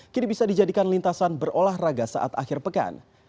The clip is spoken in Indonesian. kini bisa dijadikan lintasan berolahraga saat akhir pekan